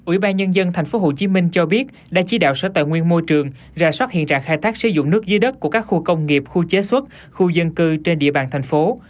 ủy ban nhân dân tp hcm cho biết đã chỉ đạo sở tài nguyên môi trường ra soát hiện trạng khai thác sử dụng nước dưới đất của các khu công nghiệp khu chế xuất khu dân cư trên địa bàn thành phố